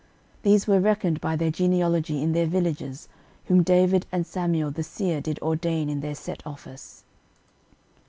These were reckoned by their genealogy in their villages, whom David and Samuel the seer did ordain in their set office.